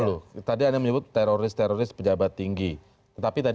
lbh akan membantu tidak